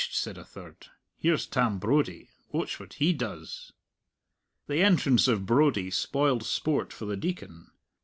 said a third. "Here's Tam Brodie. Watch what he does." The entrance of Brodie spoiled sport for the Deacon.